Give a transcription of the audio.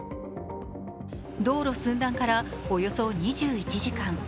道路寸断からおよそ２１時間。